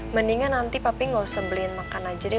mendingan nanti papi enggak usah beliin makan aja deh